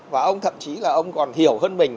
và ông thậm chí là ông còn hiểu hơn mình